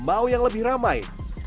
mau yang lebih ramai